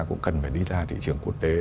cũng cần phải đi ra thị trường quốc tế